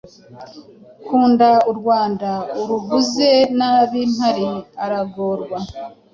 nkunda u Rwanda uruvuze nabi mpari aragorwa